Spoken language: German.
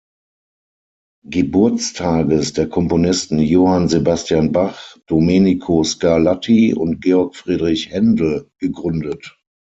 Geburtstages der Komponisten Johann Sebastian Bach, Domenico Scarlatti und Georg Friedrich Händel, gegründet.